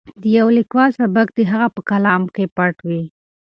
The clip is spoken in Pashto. د یو لیکوال سبک د هغه په کلام کې پټ وي.